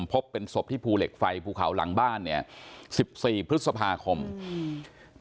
พบเป็นศพที่ภูเหล็กไฟภูเขาหลังบ้านเนี้ยสิบสี่พฤษภาคมอืม